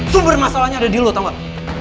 sumber masalahnya ada di lo tau nggak